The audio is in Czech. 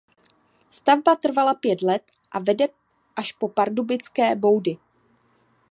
Stavba trvala pět let a vede až po Pardubické boudy.